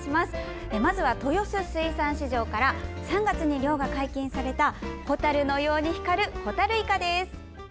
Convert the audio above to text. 豊洲水産市場から３月に漁が解禁されたホタルのように光るホタルイカです。